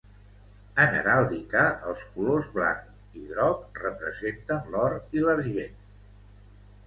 En heràldica, els colors blanc i groc representen l'or i l'argent.